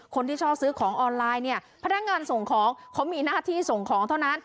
คนที่ชอบซื้อของออนไลน์เนี่ยพนักงานส่งของเขามีหน้าที่ส่งของเท่านั้น